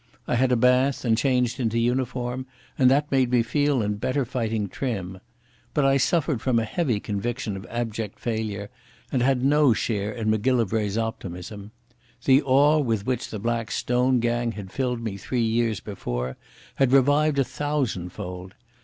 I had a bath, and changed into uniform, and that made me feel in better fighting trim. But I suffered from a heavy conviction of abject failure, and had no share in Macgillivray's optimism. The awe with which the Black Stone gang had filled me three years before had revived a thousandfold.